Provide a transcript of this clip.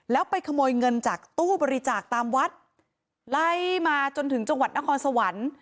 แล้วไปขโมยเงินจากตู้บริจาคตามวัดไล่มาจนถึงจังหวัดนครสวรรค์